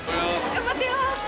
頑張ってよー。